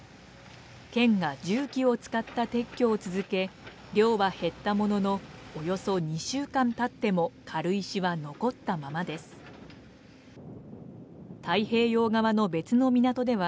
県が重機を使った撤去を続け、量は減ったもののおよそ２週間たっても軽石は残ったままです。